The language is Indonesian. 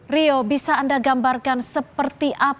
rio bisa anda gambarkan seperti apa